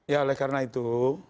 ya oleh karena itu